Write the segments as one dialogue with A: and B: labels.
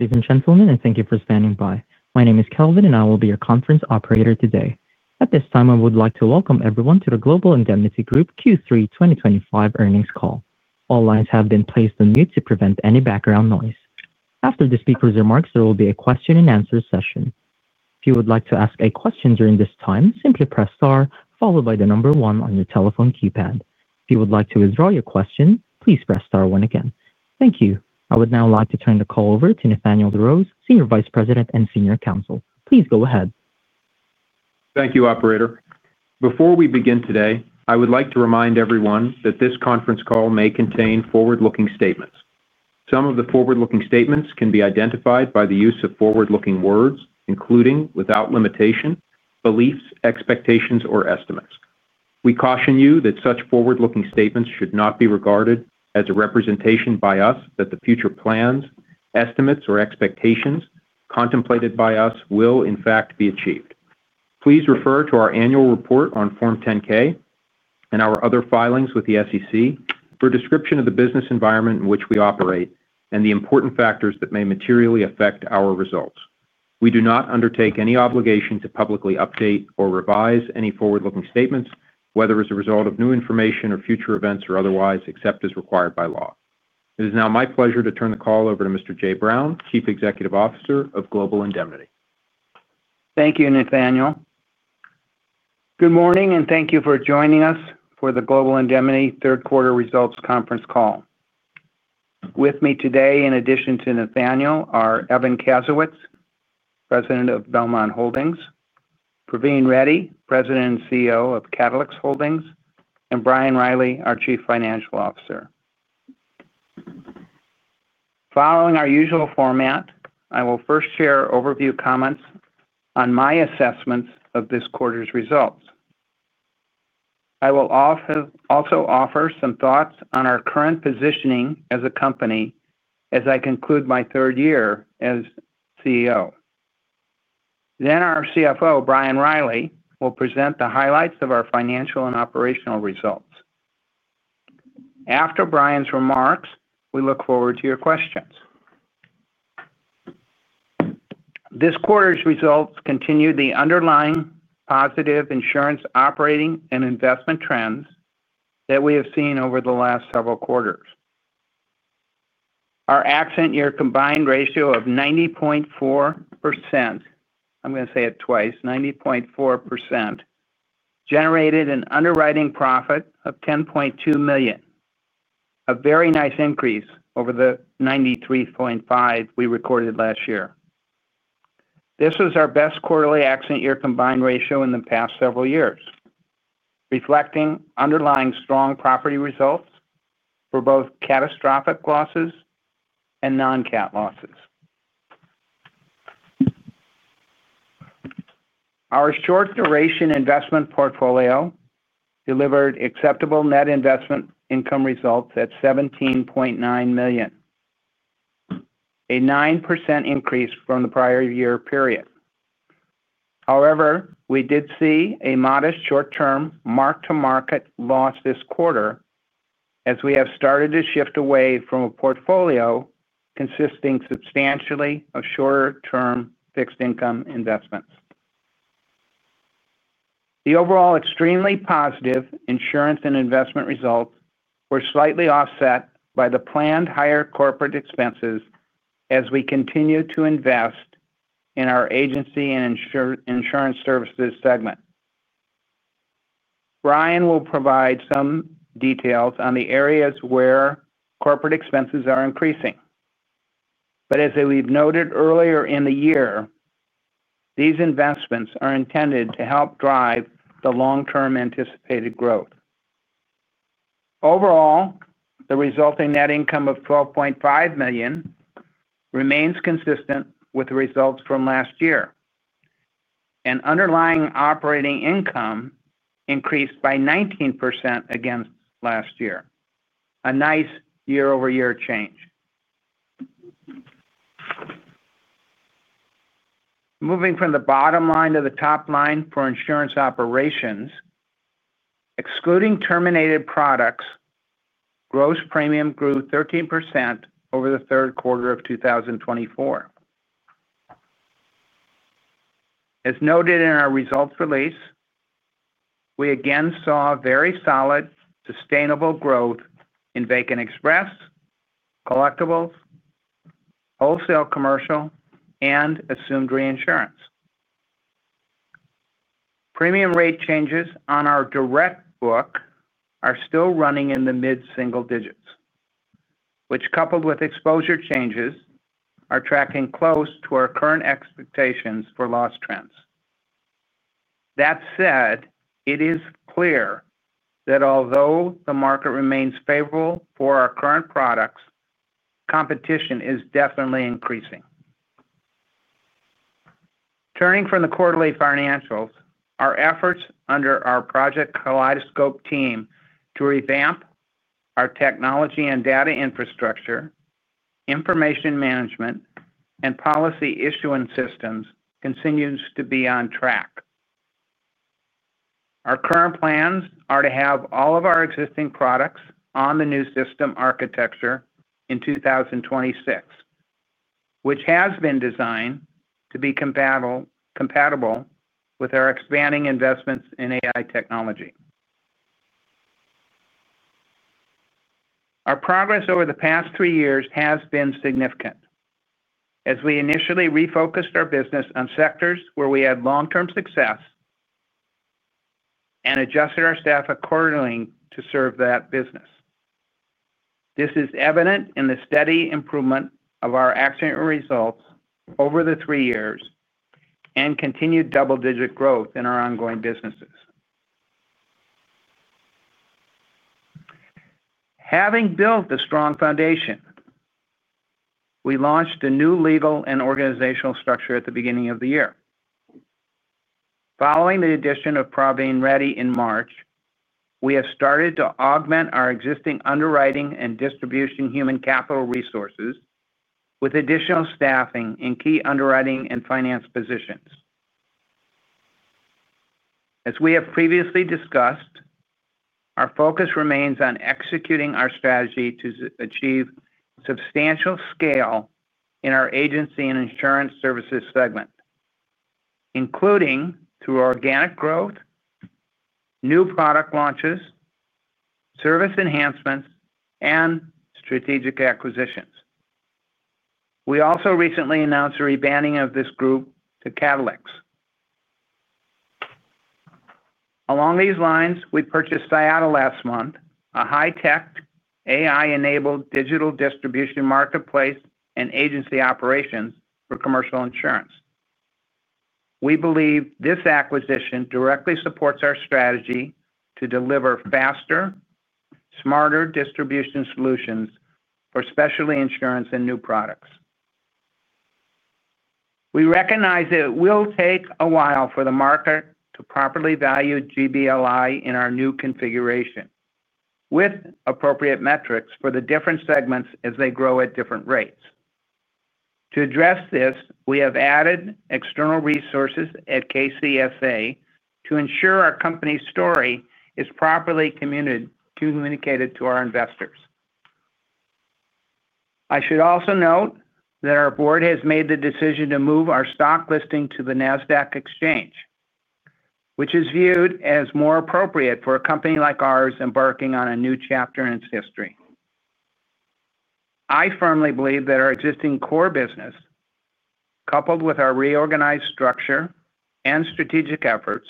A: Ladies and gentlemen, thank you for standing by. My name is Kelvin and I will be your conference operator today. At this time I would like to welcome everyone to the Global Indemnity Group Q3 2025 earnings call. All lines have been placed on mute to prevent any background noise. After the speaker's remarks, there will be a question and answer session. If you would like to ask a question during this time, simply press star followed by the number one on your telephone keypad. If you would like to withdraw your question, please press star one again. Thank you. I would now like to turn the call over to Nathaniel DeRose, Senior Vice President and Senior Counsel. Please go ahead.
B: Thank you, operator. Before we begin today, I would like to remind everyone that this conference call may contain forward-looking statements. Some of the forward-looking statements can be identified by the use of forward-looking words including, without limitation, beliefs, expectations, or estimates. We caution you that such forward-looking statements should not be regarded as a representation by us that the future plans, estimates, or expectations contemplated by us will in fact be achieved. Please refer to our annual report on Form 10-K and our other filings with the SEC for a description of the business environment in which we operate and the important factors that may materially affect our results. We do not undertake any obligation to publicly update or revise any forward-looking statements, whether as a result of new information, future events, or otherwise, except as required by law. It is now my pleasure to turn the call over to Mr. Jay Brown, Chief Executive Officer of Global Indemnity.
C: Thank you. Nathaniel, good morning and thank you for joining us for the Global Indemnity third quarter results conference call. With me today, in addition to Nathaniel, are Evan Kasowitz, President of Belmont Holdings, Praveen Reddy, President and CEO of Catalyx Holdings, and Brian Riley, our Chief Financial Officer. Following our usual format, I will first share overview comments on my assessments of this quarter's results. I will also offer some thoughts on our current positioning as a company as I conclude my third year as CEO. Our CFO Brian Riley will present the highlights of our financial and operational results. After Brian's remarks, we look forward to your questions. This quarter's results continue the underlying positive insurance, operating, and investment trends that we have seen over the last several quarters. Our accident year combined ratio of 90.4%—I'm going to say it twice, 90.4%—generated an underwriting profit of $10.2 million, a very nice increase over the 93.5% we recorded last year. This was our best quarterly accident year combined ratio in the past several years, reflecting underlying strong property results for both catastrophic losses and non-cat losses. Our short duration investment portfolio delivered acceptable net investment income results at $17.9 million, a 9% increase from the prior year period. However, we did see a modest short-term mark to market loss this quarter as we have started to shift away from a portfolio consisting substantially of shorter term fixed income investments. The overall extremely positive insurance and investment results were slightly offset by the planned higher corporate expenses as we continue to invest in our agency and insurance services segment. Brian will provide some details on the areas where corporate expenses are increasing, but as we've noted earlier in the year, these investments are intended to help drive the long-term anticipated growth. Overall, the resulting net income of $12.5 million remains consistent with the results from last year, and underlying operating income increased by 19% against last year. A nice year-over-year change. Moving from the bottom line to the top line for insurance operations, excluding terminated products, gross premium grew 13% over the third quarter of 2024. As noted in our results release, we again saw very solid sustainable growth in Vacant Express, collectibles, wholesale, commercial, and assumed reinsurance. Premium rate changes on our direct book are still running in the mid single digits, which, coupled with exposure changes, are tracking close to our current expectations for loss trends. That said, it is clear that although the market remains favorable for our current products, competition is definitely increasing. Turning from the quarterly financials, our efforts under our Project Kaleidoscope team to revamp our technology and data infrastructure, information management, and policy issuance systems continues to be on track. Our current plans are to have all of our existing products on the new system architecture in 2026, which has been designed to be compatible with our expanding investments in AI technology. Our progress over the past three years has been significant as we initially refocused our business on sectors where we had long-term success and adjusted our staff accordingly to serve that business. This is evident in the steady improvement of our accident year results over the three years and continued double-digit growth in our ongoing businesses. Having built a strong foundation, we launched a new legal and organizational structure at the beginning of the year. Following the addition of Praveen Reddy in March, we have started to augment our existing underwriting and distribution human capital resources with additional staffing in key underwriting and finance positions. As we have previously discussed, our focus remains on executing our strategy to achieve substantial scale in our agency and insurance services segment, including through organic growth, new product launches, service enhancements, and strategic acquisitions. We also recently announced a rebranding of this group to Catalyx. Along these lines, we purchased IATA last month, a high-tech AI-enabled digital distribution marketplace and agency operations for commercial insurance. We believe this acquisition directly supports our strategy to deliver faster, smarter distribution solutions for specialty insurance and new products. We recognize it will take a while for the market to properly value GBLI in our new configuration with appropriate metrics for the different segments as they grow at different rates. To address this, we have added external resources at KCSA to ensure our company's story is properly communicated to our investors. I should also note that our board has made the decision to move our stock listing to the Nasdaq Exchange, which is viewed as more appropriate for a company like ours embarking on a new chapter in its history. I firmly believe that our existing core business, coupled with our reorganized structure and strategic efforts,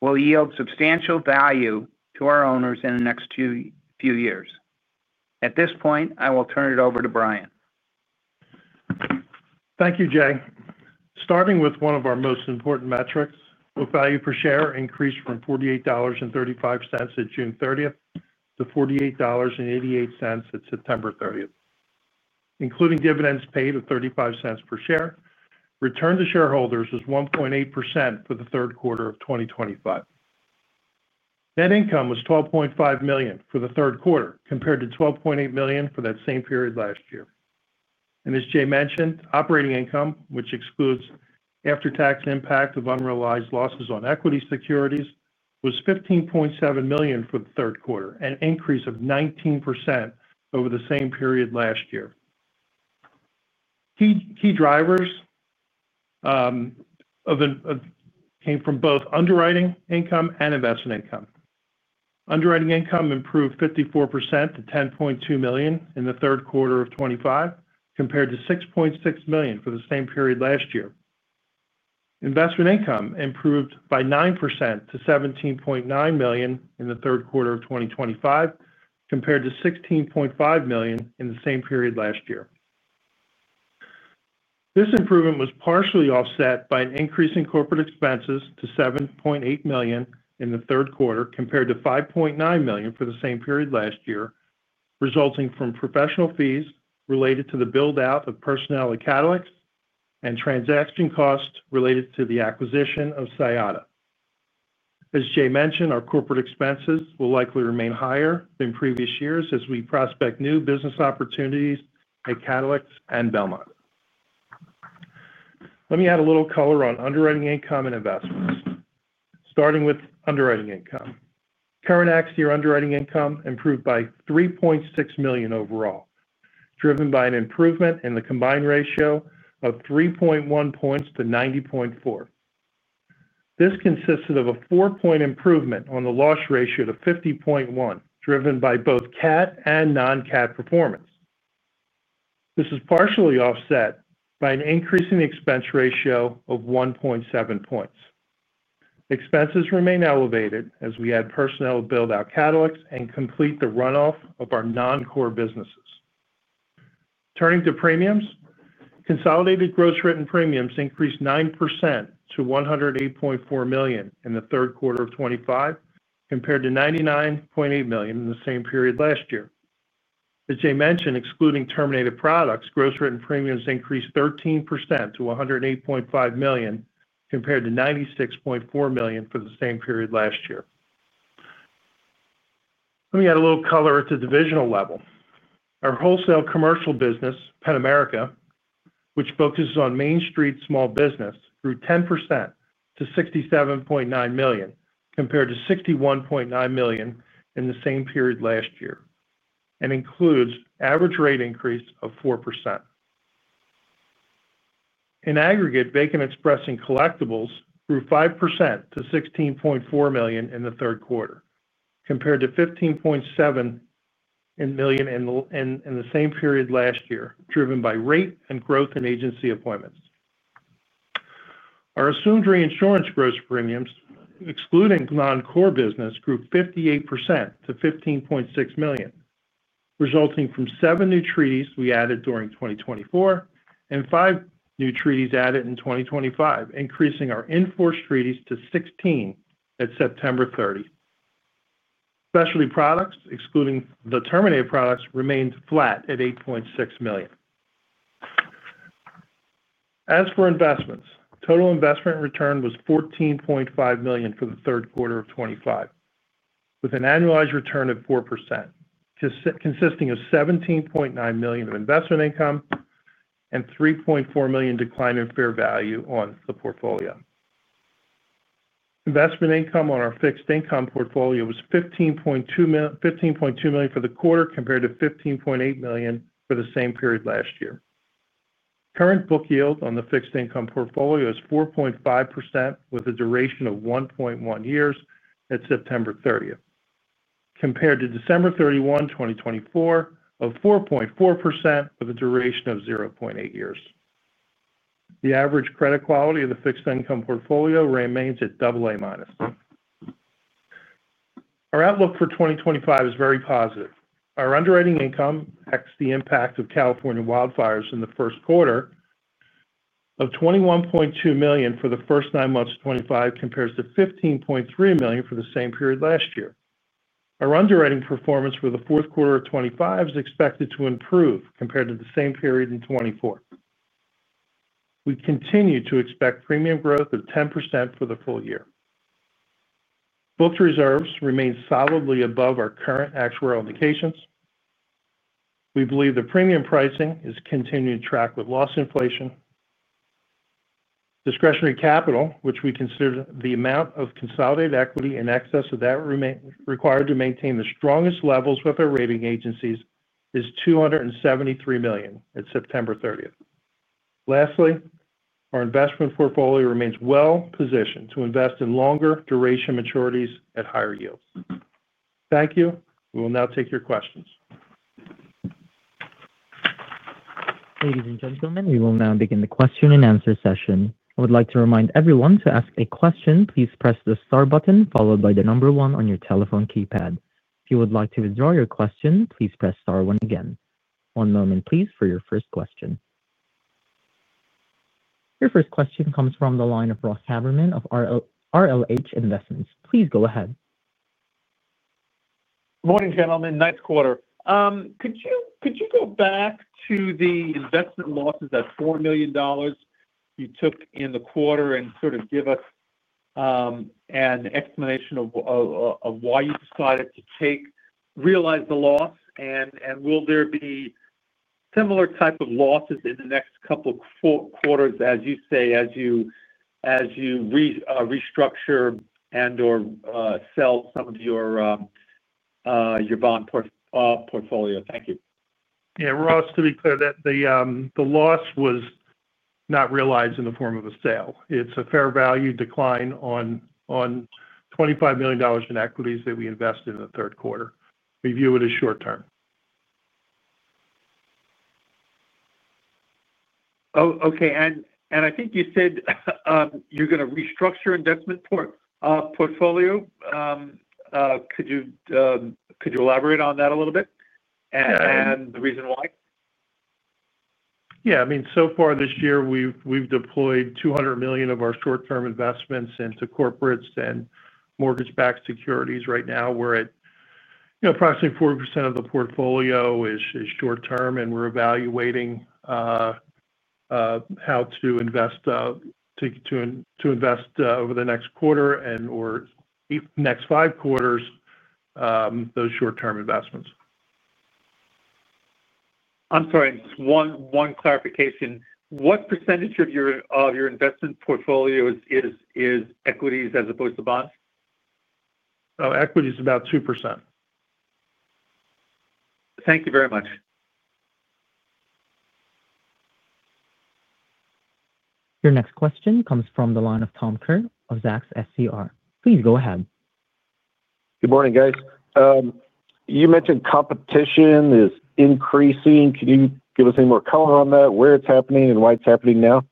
C: will yield substantial value to our owners in the next few years. At this point, I will turn it over to Brian.
D: Thank you Jay. Starting with one of our most important metrics, book value per share increased from $48.35 at June 30 to $48.88 at September 30, including dividends paid of $0.35 per share. Return to shareholders was 1.8% for the third quarter of 2025. Net income was $12.5 million for the third quarter, compared to $12.8 million for that same period last year. As Jay mentioned, operating income, which excludes after-tax impact of unrealized losses on equity securities, was $15.7 million for the third quarter, an increase of 19% over the same period last year. Key drivers came from both underwriting income and investment income. Underwriting income improved 54% to $10.2 million in third quarter 2025, compared to $6.6 million for the same period last year. Investment income improved by 9% to $17.9 million in the third quarter of 2025, compared to $16.5 million in the same period last year. This improvement was partially offset by an increase in corporate expenses to $7.8 million in the third quarter, compared to $5.9 million for the same period last year, resulting from professional fees related to the build out of personnel at Catalyx and transaction costs related to the acquisition of IATA. As Jay mentioned, our corporate expenses will likely remain higher than previous years as we prospect new business opportunities at Catalyx and Belmont. Let me add a little color on underwriting income and investments, starting with underwriting income. Current accident year underwriting income improved by $3.6 million overall, driven by an improvement in the combined ratio of 3.1 points to 90.4. This consisted of a 4 point improvement on the loss ratio to 50.1, driven by both CAT and non-CAT performance. This is partially offset by an increase in the expense ratio of 1.7 points. Expenses remain elevated as we add personnel, build out Catalyx, and complete the runoff of our non-core businesses. Turning to premiums, consolidated gross written premiums increased 9% to $108.4 million in third quarter 2025 compared to $99.8 million in the same period last year. As Jay mentioned, excluding terminated products, gross written premiums increased 13% to $108.5 million compared to $96.4 million for the same period last year. Let me add a little color at the divisional level. Our wholesale commercial business, Penn-America which focuses on Main Street small business, grew 10% to $67.9 million compared to $61.9 million in the same period last year and includes an average rate increase of 4%. In aggregate, Vacant Express and collectibles grew 5% to $16.4 million in the third quarter compared to $15.7 million in the same period last year, driven by rate and growth in agency appointments. Our assumed reinsurance gross premiums, excluding non-core business, grew 58% to $15.6 million resulting from seven new treaties we added during 2024 and five new treaties added in 2025, increasing our in-force treaties to 16 at September 30. Specialty products, excluding the terminated products, remained flat at $8.6 million. As for investments, total investment return was $14.5 million for third quarter 2025 with an annualized return of 4%, consisting of $17.9 million of investment income and a $3.4 million decline in fair value on the portfolio. Investment income on our fixed income portfolio was $15.2 million for the quarter compared to $15.8 million for the same period last year. Current book yield on the fixed income portfolio is 4.5% with a duration of 1.1 years at September 30 compared to December 31, 2024 of 4.4% with a duration of 0.8 years. The average credit quality of the fixed income portfolio remains at AA-. Our outlook for 2025 is very positive. Our underwriting income, excluding the impact of California wildfires in the first quarter, of $21.2 million for the first nine months of 2025 compares to $15.3 million for the same period last year. Our underwriting performance for fourth quarter 2025 is expected to improve compared to the same period in 2024. We continue to expect premium growth of 10% for the full year. Booked reserves remain solidly above our current actuarial indications. We believe the premium pricing is continuing to track with loss inflation. Discretionary capital, which we consider the amount of consolidated equity in excess of that required to maintain the strongest levels with our rating agencies, is $273 million at September 30. Lastly, our investment portfolio remains well positioned to invest in longer duration maturities at higher yields. Thank you. We will now take your questions.
A: Ladies and gentlemen, we will now begin the question and answer session. I would like to remind everyone to ask a question. Please press the star button followed by the number one on your telephone keypad. If you would like to withdraw your question, please press star one again. One moment please for your first question. Your first question comes from the line of Ross Haberman of RLH Investments. Please go ahead.
E: Morning gentlemen. Nice quarter. Could you go back to the investment losses, that $4 million you took in the quarter, and sort of give us an explanation of why you decided to take, realize the loss, and will there be similar type of losses in the next couple quarters as you say as you restructure and or sell some of your bond portfolio? Thank you.
D: Yeah. Ross, to be clear, the loss was not realized in the form of a sale. It's a fair value decline on $25 million in equities that we invest in the third quarter. Review it as short term.
E: Okay. I think you said you're going to restructure investment portfolio. Could you elaborate on that a little bit and the reason why?
D: Yeah, I mean so far this year we've deployed $200 million of our short term investments into corporates and mortgage backed securities. Right now we're at approximately 4% of the portfolio is short term. We're evaluating how to invest over the next quarter and or next five quarters those short term investments.
E: I'm sorry, one clarification. What percentage of your investment portfolio is equities as opposed to bonds?
D: Equities, about 2%.
E: Thank you very much.
A: Your next question comes from the line of Tom Kerr, Zacks SCR. Please go ahead.
F: Good morning, guys. You mentioned competition is increasing can you give us any more color on that? Where it's happening and why it's happening now?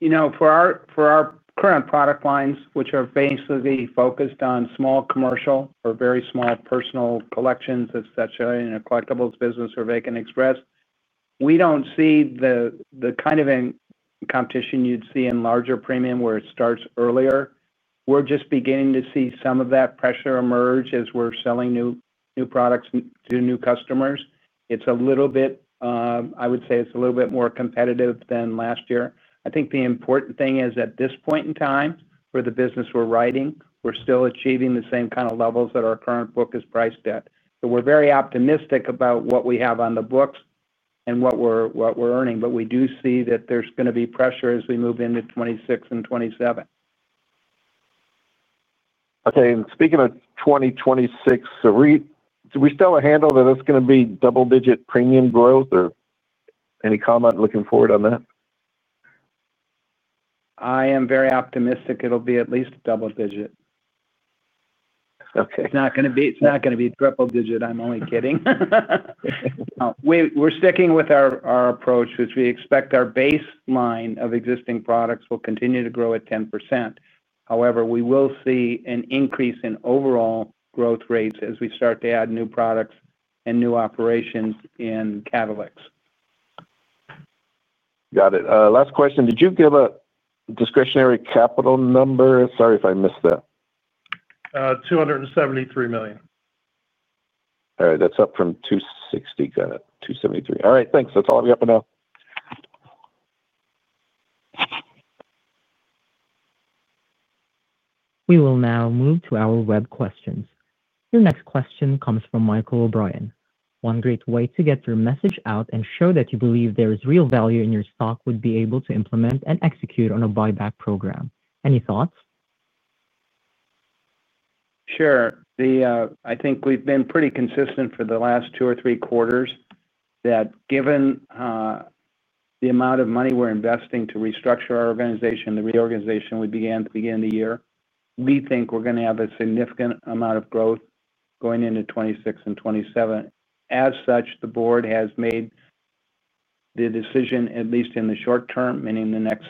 C: For our current product lines, which are basically focused on small commercial or very small personal collections, etc., in a collectibles business or Vacant Express, we don't see the kind of competition you'd see in larger premium where it starts earlier. We're just beginning to see some of that pressure emerge as we're selling new products to new customers. It's a little bit more competitive than last year. I think the important thing is at this point in time for the business we're writing, we're still achieving the same kind of levels that our current book is priced at. We're very optimistic about what we have on the books and what we're earning. We do see that there's going to be pressure as we move into 2026 and 2027.
F: Okay. Speaking of 2026, do we still handle that it's going to be double digit premium growth or any comment looking forward on that?
C: I am very optimistic. It'll be at least double-digit.
F: Okay.
C: It's not going to be, it's not going to be triple digit. I'm only kidding. We're sticking with our approach, which expects our baseline of existing products will continue to grow at 10%. However, we will see an increase in overall growth rates as we start to add new products and new operations in Catalyx.
F: Got it. Last question. Did you give a discretionary capital number? Sorry if I missed that.
C: $273 million.
F: All right. That's up from $260 million. Got it. All right, thanks. That's all I've got for now.
A: We will now move to our web questions. Your next question comes from Michael O'Brien. One great way to get your message out and show that you believe there is real value in your stock would be to implement and execute on a buyback program. Any thoughts?
C: Sure. I think we've been pretty consistent for the last two or three quarters that given the amount of money we're investing to restructure our organization, the reorganization we began to begin the year, we think we're going to have a significant amount of growth going into 2026 and 2027. As such, the board has made the decision, at least in the short term, meaning the next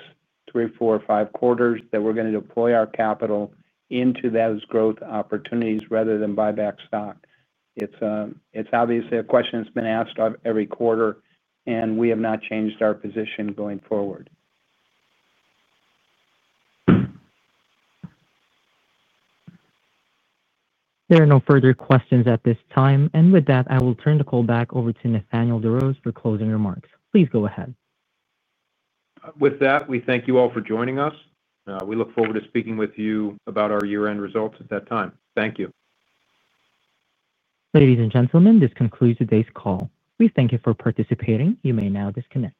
C: three, four, or five quarters, that we're going to deploy our capital into those growth opportunities rather than buy back stock. It's obviously a question that's been asked every quarter and we have not changed our position going forward.
A: There are no further questions at this time. With that, I will turn the call back over to Nathaniel DeRose for closing remarks. Please go ahead with that.
B: We thank you all for joining us. We look forward to speaking with you about our year end results at that time. Thank you.
A: Ladies and gentlemen, this concludes today's call. We thank you for participating. You may now disconnect.